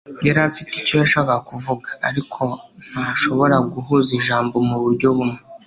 yari afite icyo yashakaga kuvuga. Ariko, ntashobora guhuza ijambo muburyo bumwe.